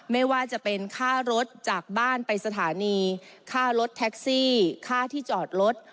ไม่ว่าจะเป็นค่ารถจากบ้านไปสถานีค่ารถแท็กซี่ค่าที่จอดรถ